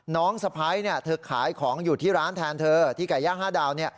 สะพ้ายเธอขายของอยู่ที่ร้านแทนเธอที่ไก่ย่าง๕ดาว